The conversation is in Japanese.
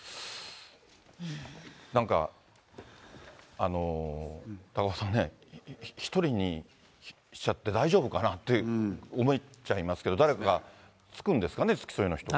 なんか高岡さんね、１人にしちゃって大丈夫かなと思っちゃいますけど、誰かが付くんですかね、付き添いの人が。